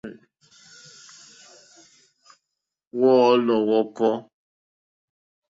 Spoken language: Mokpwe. Wɔ̀ɔ́lɔ̀ wɔ̀kɔ́.